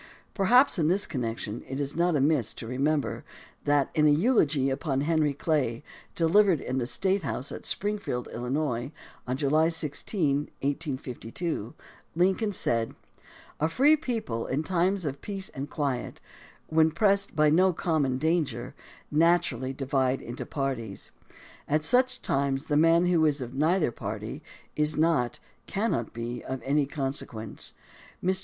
Perhaps in this connection it is not amiss to remember that, in a eulogy upon Henry Clay, delivered in the State House at Springfield, Illinois, on July 16, 1852, Lincoln said: A free people in times of peace and quiet — when pressed by no common danger — naturally divide into parties. At such times the man who is of neither party is not, cannot be, of any consequence. Mr.